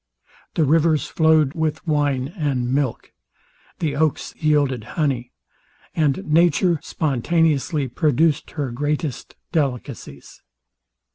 The rivers flowed with wine and milk: The oaks yielded honey; and nature spontaneously produced her greatest delicacies.